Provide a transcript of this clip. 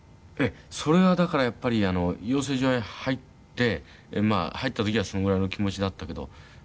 それはだからやっぱり養成所へ入って入った時はそのぐらいの気持ちだったけど。